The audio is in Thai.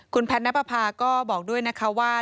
คุณแพทนับภาพก็บอกด้วยนะคะว่า